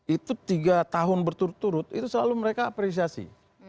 itu tiga tahun berturut turut itu selalu mereka apresiasi